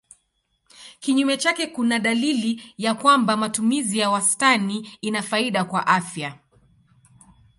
Kinyume chake kuna dalili ya kwamba matumizi ya wastani ina faida kwa afya.